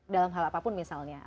dalam hal apapun misalnya